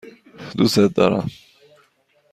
دوستت دارم.